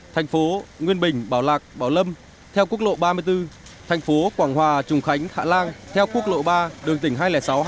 thành phố nguyên bình bảo lạc bảo lâm theo quốc lộ ba mươi bốn thành phố quảng hòa trùng khánh hạ lan theo quốc lộ ba đường tỉnh hai trăm linh sáu hai trăm linh bảy